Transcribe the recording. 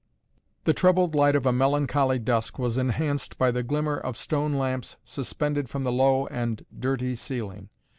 The troubled light of a melancholy dusk was enhanced by the glimmer of stone lamps suspended from the low and dirty ceiling.